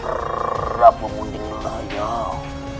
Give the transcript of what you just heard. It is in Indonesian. berapa mending layak